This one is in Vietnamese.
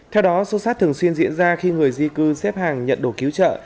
theo đó sốt sát thường xuyên diễn ra khi người di cư xếp hàng nhận đồ cứu trợ